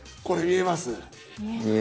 これ見えます？